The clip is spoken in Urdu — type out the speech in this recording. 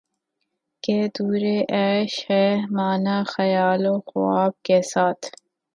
کہ دورِ عیش ہے مانا خیال و خواب کے ساتھ